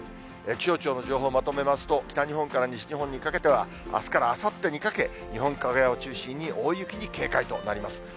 気象庁の情報をまとめますと、北日本から西日本にかけては、あすからあさってにかけ、日本海側を中心に大雪に警戒となります。